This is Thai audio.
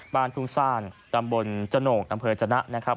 บ้านทุ่งซ่านตำบลจโหนกอำเภอจนะนะครับ